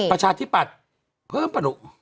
ประชาธิบัตรเพิ่มประหนู